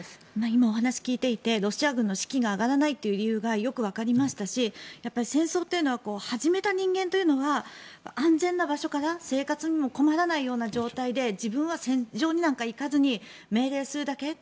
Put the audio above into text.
今、お話を聞いていてロシア軍の士気が上がらない理由がよくわかりましたし戦争というのは始めた人間は安全な場所から生活にも困らないような状態で自分は戦場にも行かずに命令するだけ。